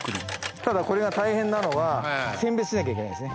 ただこれが大変なのは選別しなきゃいけないんですね。